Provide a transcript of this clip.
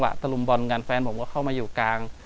กลับมาที่สุดท้ายและกลับมาที่สุดท้าย